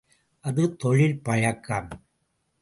அது தொழில் பழக்கம்.